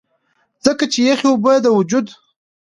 ځکه چې يخې اوبۀ د وجود